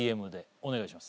お願いします。